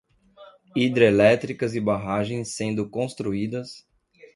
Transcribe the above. Hidrelétricas e barragens sendo construídas